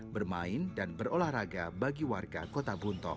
bermain dan berolahraga bagi warga kota buntok